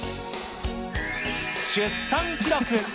出産記録。